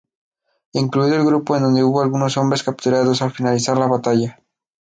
Incluido el grupo en donde hubo algunos hombres capturados al finalizar la batalla.